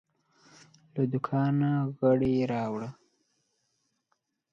له دوکانه غیړي راوړه